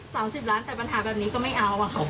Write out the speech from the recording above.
สามสิบล้านแต่ปัญหาแบบนี้ก็ไม่เอาอะค่ะ